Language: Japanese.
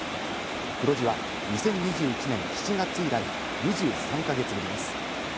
黒字は２０２１年７月以来、２３か月ぶりです。